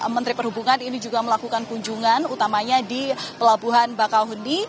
menteri perhubungan ini juga melakukan kunjungan utamanya di pelabuhan bakauheni